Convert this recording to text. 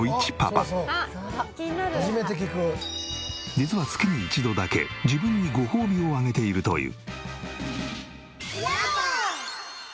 実は月に１度だけ自分にごほうびをあげているという。